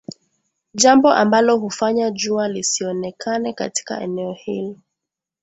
Jambo ambalo hufanya jua lisionekane katika eneo hilo